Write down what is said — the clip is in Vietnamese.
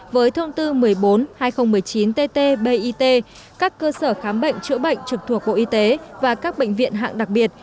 với thông tư một mươi bốn hai nghìn một mươi chín tt bit các cơ sở khám bệnh chữa bệnh trực thuộc bộ y tế và các bệnh viện hạng đặc biệt